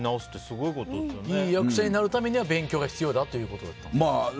いい役者になるためには勉強が必要だということで？